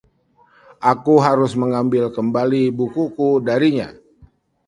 Aku harus mengambil kembali bukuku darinya.